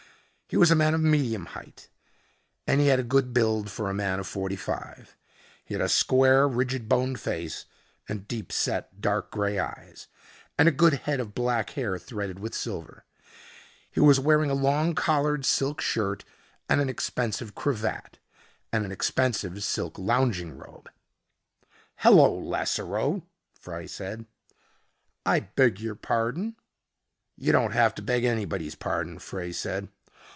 He was a man of medium height and he had a good build for a man of forty five. He had a square, rigid boned face, and deep set dark grey eyes, and a good head of black hair threaded with silver. He was wearing a long collared silk shirt and an expensive cravat and an expensive silk lounging robe. "Hello, Lasseroe," Frey said. "I beg your pardon " "You don't have to beg anybody's pardon," Frey said.